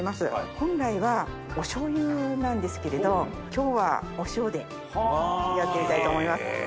本来はお醤油なんですけれど今日はお塩でやってみたいと思います。